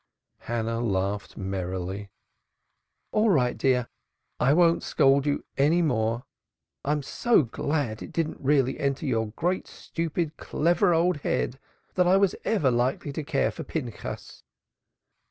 Hannah laughed merrily. "All right, dear, I won't scold you any more. I'm so glad it didn't really enter your great stupid, clever old head that I was likely to care for Pinchas."